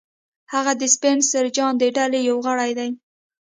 هغه د سپنسر جان د ډلې یو غړی دی